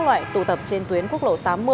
loại tụ tập trên tuyến quốc lộ tám mươi